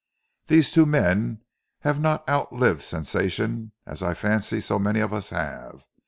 These two men have not outlived sensation as I fancy so many of us have.